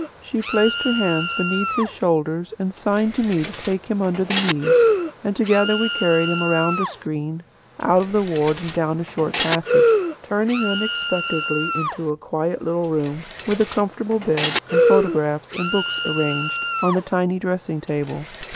She placed her hands beneath his shoulders, and signed to me to take him under the knees, and together we carried him round a screen, out of the ward, and down a short passage; turning unexpectedly into a quiet little room, with a comfortable bed, and photographs and books arranged on the tiny dressing table.